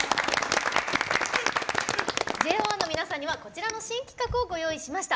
ＪＯ１の皆さんにはこちらの新企画をご用意しました。